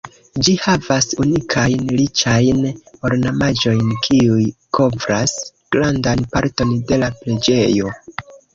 Ĝi havas unikajn riĉajn ornamaĵojn kiuj kovras grandan parton de la preĝejo.